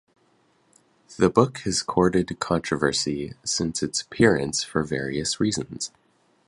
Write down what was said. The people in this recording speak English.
The book has courted controversy since its appearance for various reasons.